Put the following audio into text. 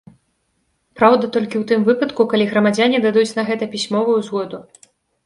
Праўда, толькі ў тым выпадку, калі грамадзяне дадуць на гэта пісьмовую згоду.